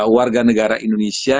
warga negara indonesia